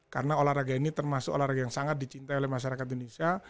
karena olahraga ini termasuk olahraga yang sangat dicintai oleh masyarakat indonesia